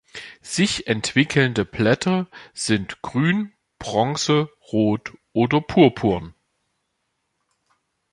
Sich entwickelnde Blätter sind grün, bronze, rot oder purpurn.